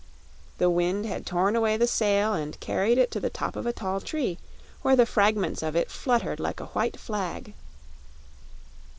The wind had torn away the sail and carried it to the top of a tall tree, where the fragments of it fluttered like a white flag.